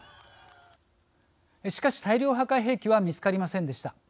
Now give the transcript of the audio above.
しかし、大量破壊兵器は見つかりませんでした。